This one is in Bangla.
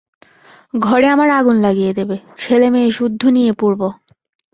ঘরে আমার আগুন লাগিয়ে দেবে, ছেলেমেয়ে-সুদ্ধু নিয়ে পুড়ব।